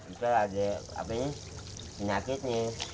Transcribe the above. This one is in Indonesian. bisa lah ada apa ini kenyakit nih